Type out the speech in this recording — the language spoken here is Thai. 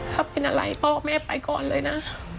ถ้าเป็นอะไรพ่อแม่ไปก่อนเลยนะ